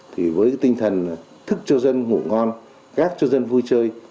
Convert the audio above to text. thì với tinh thần thức cho dân ngủ ngon gác cho dân vui chơi